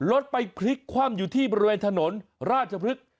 รถไปพลิกคว่ำอยู่ที่บริเวณถนนราชพฤกษ์